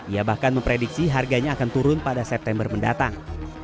ia bahkan memprediksi harganya akan turun pada september mendatang